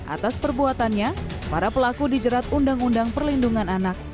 atas perbuatannya para pelaku dijerat undang undang perlindungan anak